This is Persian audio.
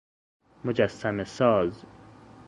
مجسمه ساز